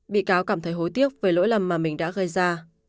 bị cáo cảm thấy hối tiếc về lỗi lầm mà mình đã gây ra